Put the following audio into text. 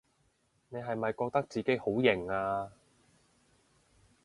你係咪覺得自己好型吖？